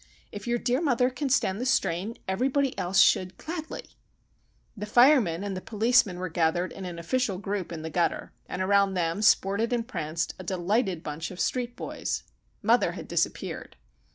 If your dear mother can stand the strain, everybody else should gladly!" The firemen and policemen were gathered in an official group in the gutter, and around them sported and pranced a delighted bunch of street boys. Mother had disappeared.